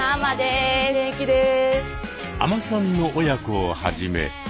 海女さんの親子をはじめ。